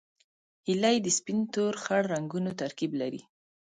هیلۍ د سپین، تور، خړ رنګونو ترکیب لري